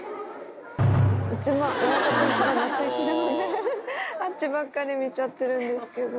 親方に一番なついてるので、あっちばっかり見ちゃってるんですけど。